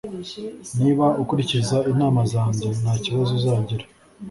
Niba ukurikiza inama zanjye, ntakibazo uzagira